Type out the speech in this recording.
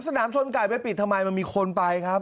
สนามชนไก่ไปปิดทำไมมันมีคนไปครับ